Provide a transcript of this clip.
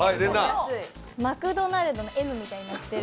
マクドナルドのＭみたいになってる？